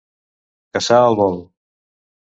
Caçar al vol.